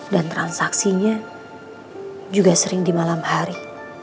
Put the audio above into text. transaksinya juga sering di malam hari